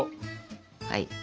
はい。